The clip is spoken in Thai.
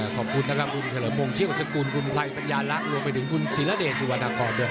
ขอบคุณครับคุณสะวนมงค์เชียวกสกุลคุณไทยปัญญาลักษณ์โดยเสียลเวรที่สิวนครด